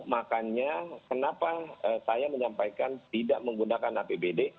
makanya kenapa saya menyampaikan tidak menggunakan apbd